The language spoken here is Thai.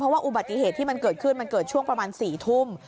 ว่าอุบัติเหตุที่มันเกิดขึ้นมันเกิดช่วงประมาณ๔ทุ่ม